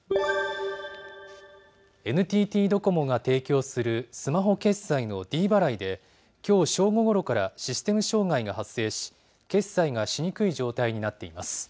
ＮＴＴドコモが提供するスマホ決済のｄ払いで、きょう正午ごろからシステム障害が発生し、決済がしにくい状態になっています。